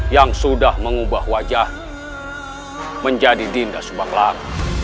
yang sudah mengubah wajah menjadi dinda subaklang